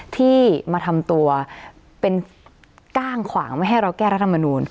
ที่มาทำตัวเป็นก้างขวางไม่ให้เราแก้รัฐมนูล